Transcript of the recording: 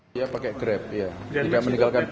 dia pakai grab ya